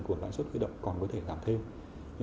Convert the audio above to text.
của lãi suất huy động còn có thể giảm thêm